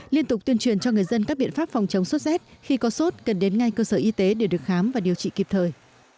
liên tục tuyên truyền cho người dân các biện pháp phòng chống sốt z khi có sốt cần đến ngay cơ sở y tế để được khám và điều trị kịp thời